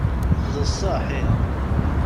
D sseḥ ih.